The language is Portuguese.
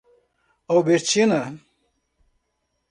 Albertina